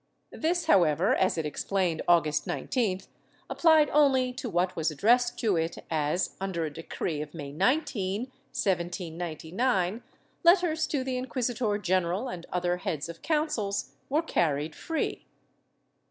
This, however, as it explained August 19th, applied only to what was addressed to it as, under a decree of May 19, 1799, letters to the inquisitor general and other heads of councils were carried free.